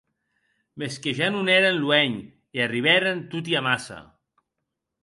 Mès que ja non èren luenh e arribèren toti amassa.